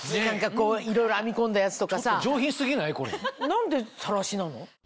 何でさらしなの？